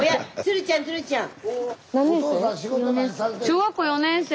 小学校４年生。